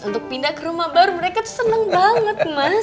untuk pindah ke rumah baru mereka senang banget mas